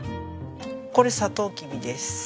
これサトウキビです。